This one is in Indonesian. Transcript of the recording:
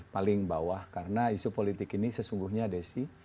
paling bawah karena isu politik ini sesungguhnya desi